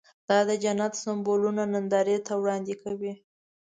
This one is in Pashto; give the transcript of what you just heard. دا د جنت سمبولونه نندارې ته وړاندې کوي.